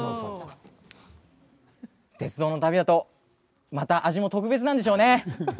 鉄道の旅だとまた味も特別なんでしょうね。